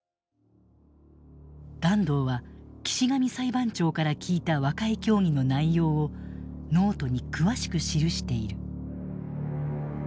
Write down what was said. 團藤は岸上裁判長から聞いた和解協議の内容をノートに詳しく記している。